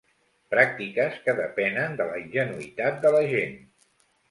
Pràctiques que depenen de la ingenuïtat de la gent.